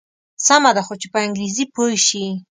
سمه ده خو چې په انګریزي پوی شي.